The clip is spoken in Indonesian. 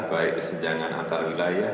baik kesenjangan antarwilayah